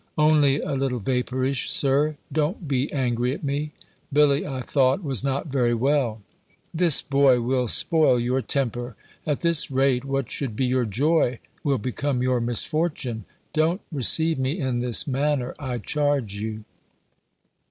"Only a little vapourish, Sir! Don't be angry at me! Billy, I thought, was not very well!" "This boy will spoil your temper: at this rate, what should be your joy, will become your misfortune. Don't receive me in this manner, I charge you."